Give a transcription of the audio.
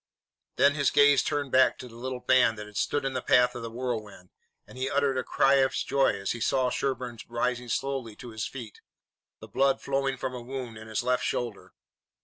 Then his gaze turned back to the little band that had stood in the path of the whirlwind, and he uttered a cry of joy as he saw Sherburne rising slowly to his feet, the blood flowing from a wound in his left shoulder.